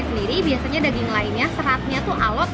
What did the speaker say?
sendiri biasanya daging lainnya seratnya tuh alot